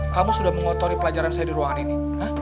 kamu sudah mengotori pelajaran saya di ruangan ini